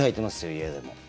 家でも。